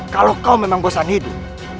kalau kau memang bosan hidup